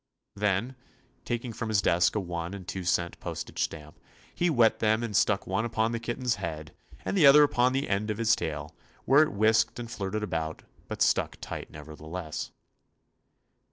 Then, taking from his desk a one and a two cent postage stamp, he wet them and stuck one upon the kit ten's head and the other upon the end of his tail, where it was whisked and flirted about, but stuck tight never theless.